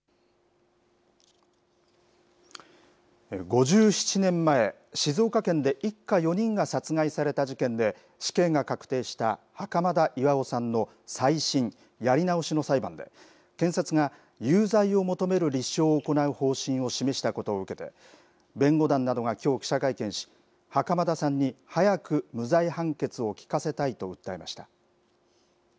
５７年前、静岡県で一家４人が殺害された事件で、死刑が確定した袴田巌さんの再審・やり直しの裁判で、検察が有罪を求める立証を行う方針を示したことを受けて、弁護団などがきょう記者会見し、袴田さんに早く無罪判決を聞かせたいと訴えました。